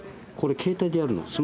これ携帯でやるの？